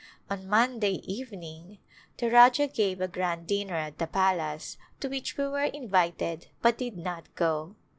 On Monday evening the Rajah gave a grand dinner at the palace to which we were invited but did not go.